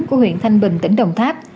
của huyện thanh bình tỉnh đồng tháp